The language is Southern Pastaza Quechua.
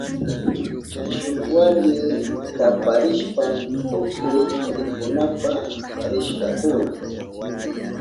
Shuk warmi kaparishpan tukuy rikunapa rishkakuna.